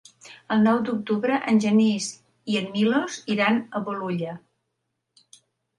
El nou d'octubre en Genís i en Milos iran a Bolulla.